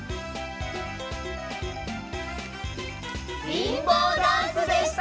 リンボーダンスでした！